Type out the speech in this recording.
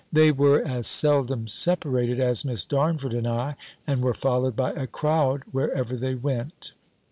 They were as seldom separated as Miss Darnford and I, and were followed by a crowd wherever they went.